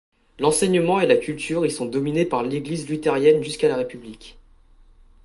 L'enseignement et la culture y sont dominés par l'Église luthérienne jusqu'à la République.